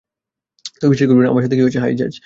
তুই বিশ্বাস করবি না আমার সাথে কী হয়েছে - হাই, জ্যাজ।